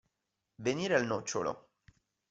Venire al nocciolo.